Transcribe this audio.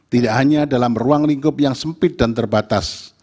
tidak hanya dalam ruang lingkup yang sempit dan terbatas